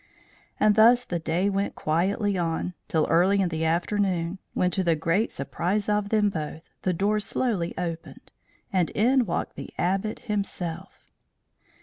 And thus the day went quietly on, till early in the afternoon; when, to the great surprise of both of them, the door slowly opened, and in walked the Abbot himself.